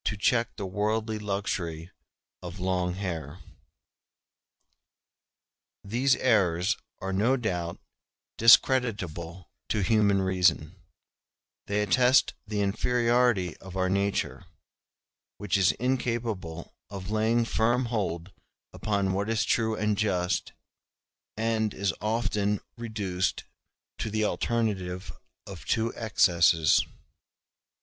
316. See Appendix, E.] These errors are no doubt discreditable to human reason; they attest the inferiority of our nature, which is incapable of laying firm hold upon what is true and just, and is often reduced to the alternative of two excesses.